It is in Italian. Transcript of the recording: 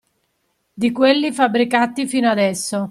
Di quelli fabbricati fino adesso